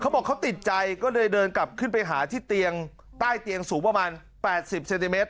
บอกเขาติดใจก็เลยเดินกลับขึ้นไปหาที่เตียงใต้เตียงสูงประมาณ๘๐เซนติเมตร